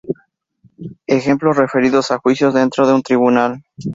Ejemplos referidos a juicios dentro de un tribunal.